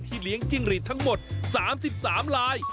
เลี้ยงจิ้งหลีดทั้งหมด๓๓ลาย